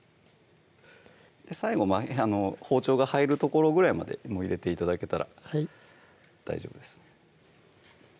最後包丁が入る所ぐらいまで入れて頂けたら大丈夫です